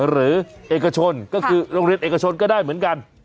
หรือเอกชนก็คือโรงเรียนเอกชนก็ได้เหมือนกัน